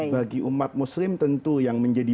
bagi umat muslim tentu yang menjadi